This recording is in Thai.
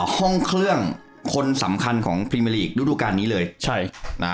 ห้องเครื่องคนสำคัญของพรีเมอร์ลีกฤดูการนี้เลยใช่นะ